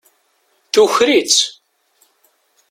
Tuker-itt.